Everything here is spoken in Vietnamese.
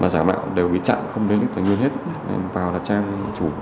giao với nhiệm vụ